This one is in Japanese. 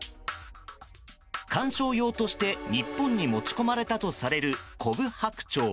観賞用として日本に持ち込まれたとされるコブハクチョウ。